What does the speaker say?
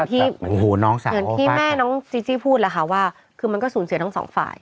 อย่างที่โอ้โหน้องสาวเหมือนที่แม่น้องจึ้บจี้พูดแหละค่ะว่าคือมันก็สูญเสียทั้งสองปลาย